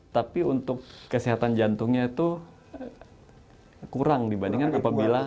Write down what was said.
tapi untuk kesehatan jantungnya itu kurang dibandingkan apabila